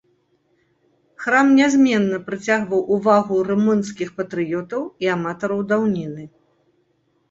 Храм нязменна прыцягваў увагу румынскіх патрыётаў і аматараў даўніны.